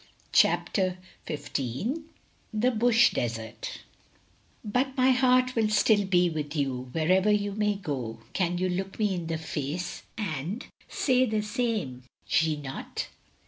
CHAPTER XV THE BUSH DESERT " But my heart will still be with you Wherever you may go, Can you look me in the face And say the same, Jeannot?"